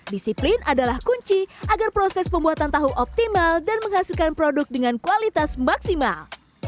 disiplin adalah kunci agar proses pembuatan tahu optimal dan menghasilkan produk dengan kualitas maksimal